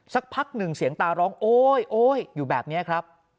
สักพักหนึ่งเสียงตาร้องโอ๊ยโอ๊ยอยู่แบบนี้ครับ